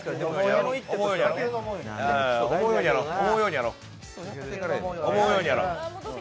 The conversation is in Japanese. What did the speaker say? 思うように、思うようにやろう。